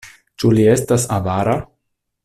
Ĉu li estas avara?